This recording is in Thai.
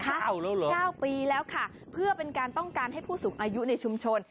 เก้าแล้วเหรอเก้าปีแล้วค่ะเพื่อเป็นการต้องการให้ผู้สูงอายุในชุมชน